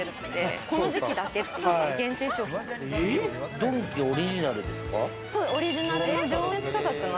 ドンキオリジナルですか？